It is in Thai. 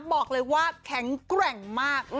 บอกเลยว่าแข็งแกร่งมาก